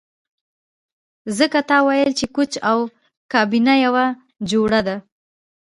ځکه تا ویل چې کوچ او کابینه یوه جوړه ده